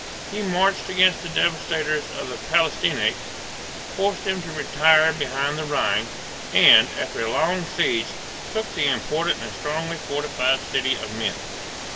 He marched against the devastators of the Palatinate, forced them to retire behind the Rhine, and, after a long siege, took the important and strongly fortified city of Mentz.